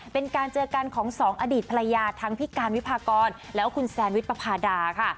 เป็นการเจอกันของสองอดีตภรรยาทั้งพี่การวิพากรแล้วคุณแซนวิชปภาดาค่ะ